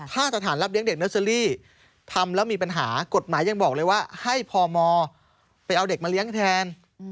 ถ้าสถานรับเลี้ยเด็กเนอร์เซอรี่ทำแล้วมีปัญหากฎหมายยังบอกเลยว่าให้พมไปเอาเด็กมาเลี้ยงแทน